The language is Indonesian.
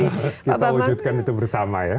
insya allah pak kita wujudkan itu bersama ya